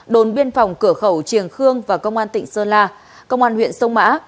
đồn biên phòng cửa khẩu triềng khương và công an tỉnh sơn la công an huyện sông mã